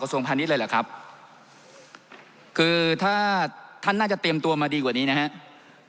ส่วนพาณิชยเลยเหรอครับคือถ้าท่านน่าจะเตรียมตัวมาดีกว่านี้นะครับ